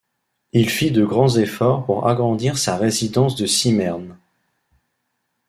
Il fit de grands efforts pour agrandir sa résidence de Simmern.